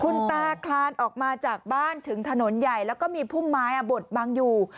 คุณตาคลานออกมาจากบ้านถึงถนนใหญ่แล้วก็มีพุ่มไม้บดบังอยู่